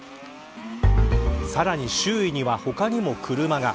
さらに周囲には他にも車が。